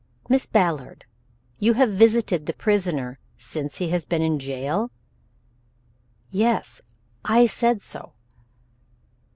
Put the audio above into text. "Miss Ballard, you have visited the prisoner since he has been in the jail?" "Yes, I said so."